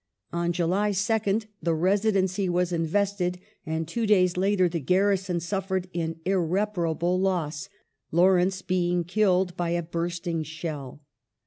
On July 2nxl the Residency was invested, and two days later the garrison suffered an irreparable loss — Lawrence being killed by a bui sting shell.